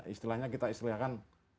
istilahnya kita istilahkan kur graduasi